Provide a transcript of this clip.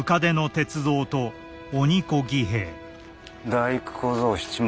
大工小僧七松。